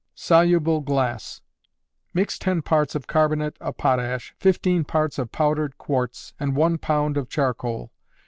Soluble Glass. Mix ten parts of carbonate of potash, fifteen parts of powdered quartz, and one pound of charcoal.